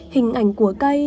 hình ảnh của cây